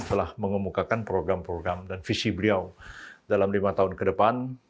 telah mengemukakan program program dan visi beliau dalam lima tahun ke depan